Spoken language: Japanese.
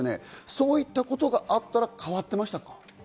そういったことがあったら変わってましたか？